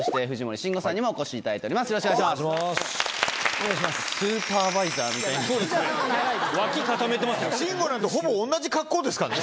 慎吾なんてほぼ同じ格好ですからね。